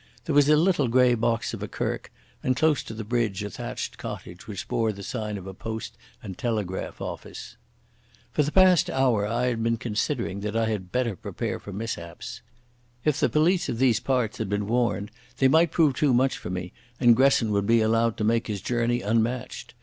There was a little grey box of a kirk, and close to the bridge a thatched cottage which bore the sign of a post and telegraph office. For the past hour I had been considering that I had better prepare for mishaps. If the police of these parts had been warned they might prove too much for me, and Gresson would be allowed to make his journey unmatched.